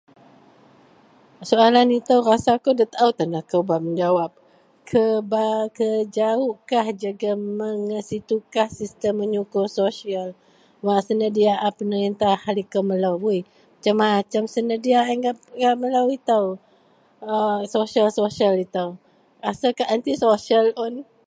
Soalan ito rasa kou da taao tan akou bak mejawap kebakejawok kah jegem mengasi tugas sistem menyeku sosial wak senadia a peneritah gak melo. Masem-masem senadia gak melo ito sosial-sosial ito asel kak anti sosial un.